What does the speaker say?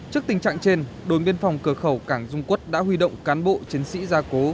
trước tình trạng trên đồn biên phòng cửa khẩu cảng dung quốc đã huy động cán bộ chiến sĩ gia cố